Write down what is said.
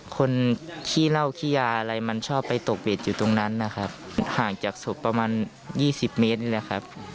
ขี้เหล้าขี้ยาอะไรมันชอบไปตกเบ็ดอยู่ตรงนั้นนะครับห่างจากศพประมาณ๒๐เมตรนี่แหละครับ